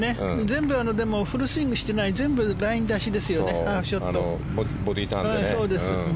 全部フルスイングしていない全部ライン出しですよね。